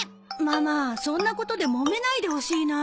ママそんなことでもめないでほしいな。